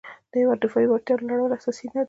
د هیواد دفاعي وړتیا لوړول اساسي دنده ده.